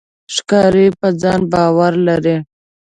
ښکاري په ځان باور لري.